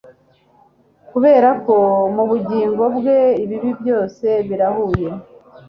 kuberako mubugingo bwe ibi byose birahuye